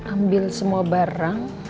ambil semua barang